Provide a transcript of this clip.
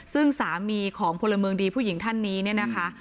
ซึ่งสามีของพลเมืองดีผู้หญิงท่านนี้เนี่ยนะคะ